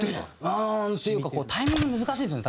うんというかタイミング難しいんですよね